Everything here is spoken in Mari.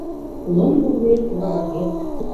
Ломбо вует лывыргет.